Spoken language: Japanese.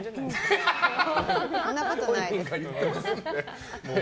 そんなことない。